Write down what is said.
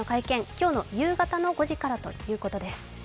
今日夕方の５時からということです